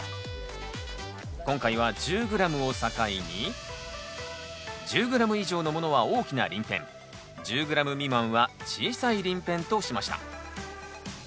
今回は１０ｇを境に１０ｇ以上のものは大きな鱗片１０ｇ未満は小さい鱗片としました。